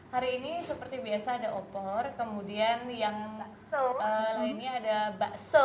hari ini seperti biasa ada opor kemudian yang lainnya ada bakso